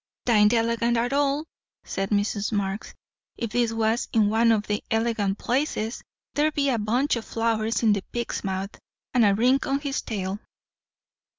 "'Tain't elegant at all," said Mrs. Marx. "If this was in one o' the elegant places, there'd be a bunch o' flowers in the pig's mouth, and a ring on his tail."